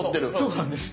そうなんです。